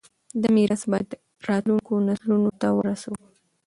دا میراث باید راتلونکو نسلونو ته ورسوو.